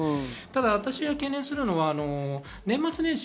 私が懸念するのは、年末年始